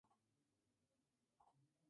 Tuvo un multitudinario sepelio.